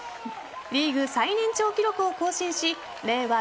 リーグ最年長記録を更新し令和